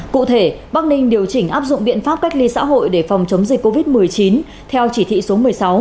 cụ thể bắc ninh điều chỉnh áp dụng biện pháp cách ly xã hội để phòng chống dịch covid một mươi chín theo chỉ thị số một mươi sáu